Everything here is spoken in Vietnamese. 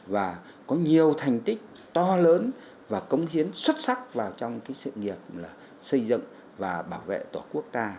và có nhiều thành tích to lớn và cống hiến xuất sắc vào trong sự nghiệp xây dựng và bảo vệ tổ quốc ta